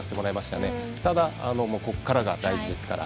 ただ、ここからが大事ですから。